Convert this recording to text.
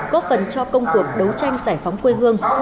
góp phần cho công cuộc đấu tranh giải phóng quê hương